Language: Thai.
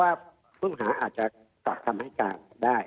ครับภูมิหาอาจจะตัดทำให้การได้